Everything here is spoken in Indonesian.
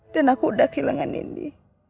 dan aku udah kehilangan nindi